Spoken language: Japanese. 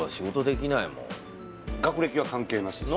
学歴は関係なしですか？